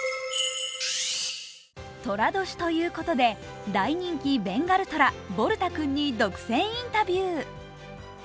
とら年ということで大人気ベンガルトラ、ボルタ君に独占インタビュー。